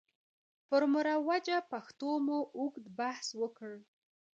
پر مروجه پښتو مو اوږد بحث وکړ.